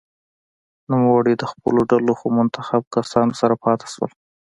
نوموړی د خپلو ډلو څو منتخب کسانو سره پاته شول.